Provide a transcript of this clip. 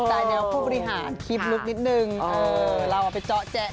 สตายแนวผู้บริหารกิ๊บลึกนิดหนึ่งเราก็ไปเจาะจ๊ะเขา